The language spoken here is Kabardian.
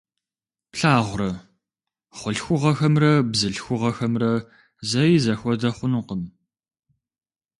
Плъагъурэ, хъулъхугъэхэмрэ бзылъхугъэхэмрэ зэи зэхуэдэ хъунукъым.